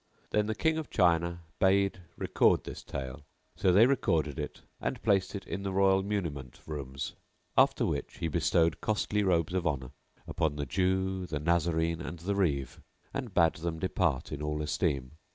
Then the King of China bade record this tale, so they recorded it and placed it in the royal muniment rooms; after which he bestowed costly robes of honour upon the Jew, the Nazarene and the Reeve, and bade them depart in all esteem.